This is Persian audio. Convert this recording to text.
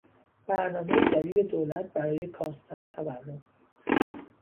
برنامهی جدید دولت برای کاستن تورم